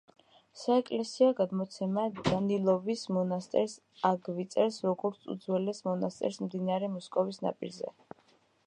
საეკლესიო გადმოცემა დანილოვის მონასტერს აგვიწერს, როგორც უძველეს მონასტერს მდინარე მოსკოვის ნაპირზე.